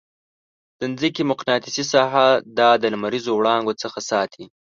د مځکې مقناطیسي ساحه دا د لمریزو وړانګو څخه ساتي.